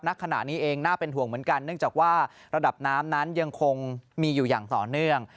ณขณะนี้เองน่าเป็นห่วงเหมือนกันเนื่องจากว่าระดับน้ำนั้นยังคงมีอยู่อย่างต่อเนื่อง